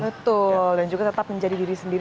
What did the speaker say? betul dan juga tetap menjadi diri sendiri